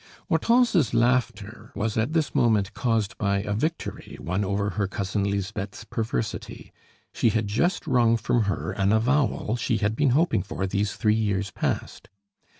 Hortense's laughter was at this moment caused by a victory won over her Cousin Lisbeth's perversity; she had just wrung from her an avowal she had been hoping for these three years past.